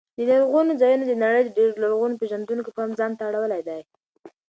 دې لرغونو ځایونو د نړۍ د ډېرو لرغون پېژندونکو پام ځان ته اړولی دی.